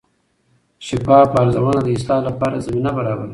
شفاف ارزونه د اصلاح لپاره زمینه برابروي.